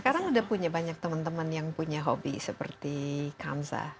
sekarang udah punya banyak teman teman yang punya hobi seperti kansa